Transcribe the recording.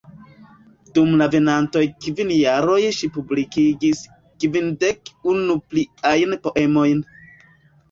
Dum la venontaj kvin jaroj ŝi publikigis kvindek-unu pliajn poemojn.